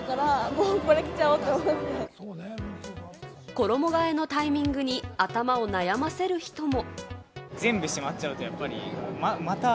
衣替えのタイミングに頭を悩ませる人も。